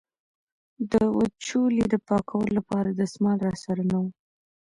د وچولې د پاکولو لپاره دستمال را سره نه و.